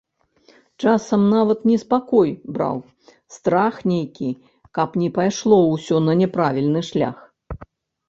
Часам нават неспакой браў, страх нейкі, каб не пайшло ўсё на няправільны шлях.